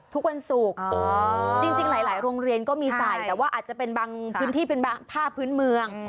ทุกวันศุกร์จริงหลายโรงเรียนก็มีใส่แต่ว่าอาจจะเป็นบางพื้นที่เป็นบางผ้าพื้นเมือง